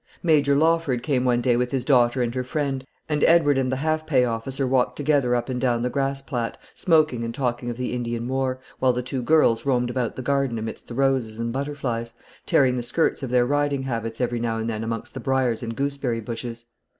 Major Lawford came one day with his daughter and her friend, and Edward and the half pay officer walked together up and down the grass plat, smoking and talking of the Indian war, while the two girls roamed about the garden amidst the roses and butterflies, tearing the skirts of their riding habits every now and then amongst the briers and gooseberry bushes.